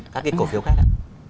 các cái cổ phiếu khác ạ